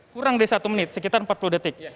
kurang dari satu menit sekitar empat puluh detik